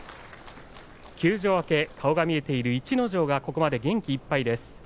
休場明け、顔が見えている逸ノ城がここまで元気いっぱいです。